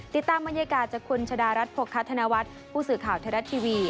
ติดตามบรรยากาศจากคุณชะดารัฐโภคธนวัฒน์ผู้สื่อข่าวไทยรัฐทีวี